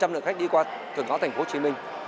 năm mươi năm lượng khách đi qua từ ngõ thành phố hồ chí minh